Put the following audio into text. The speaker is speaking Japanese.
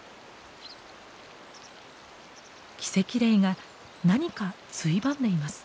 キセキレイが何かついばんでいます。